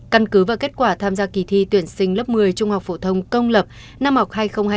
căn cứ và kết quả tham gia kỳ thi tuyển sinh lớp một mươi trung học phổ thông công lập năm học hai nghìn hai mươi hai nghìn hai mươi